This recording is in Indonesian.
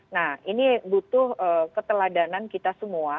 nah ini butuh keteladanan kita semua